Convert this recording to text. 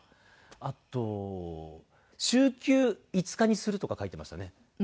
あと「週休５日にする」とか書いてましたね。